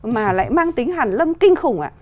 mà lại mang tính hàn lâm kinh khủng